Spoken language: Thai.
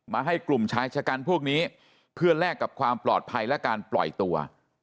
ให้กลุ่มชายชะกันพวกนี้เพื่อแลกกับความปลอดภัยและการปล่อยตัว